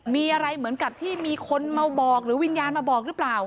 มีอะไรเหมือนกับที่มีคนมาบอกหรือวิญญาณมาบอกหรือเปล่า